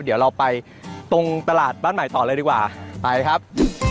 เดี๋ยวเราไปตรงตลาดบ้านใหม่ต่อเลยดีกว่าไปครับ